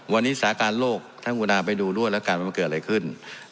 วันนี้สาการโลกท่านคุณาไปดูด้วยแล้วกันว่ามันเกิดอะไรขึ้น